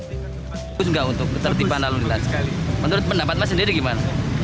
tidak untuk tertib lalu lintas menurut pendapat anda sendiri bagaimana